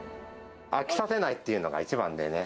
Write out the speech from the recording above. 飽きさせないっていうのが一番だよね。